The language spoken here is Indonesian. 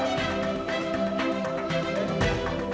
yang ahli untuk bagian itu